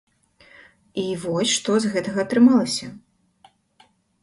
І вось што з гэтага атрымалася.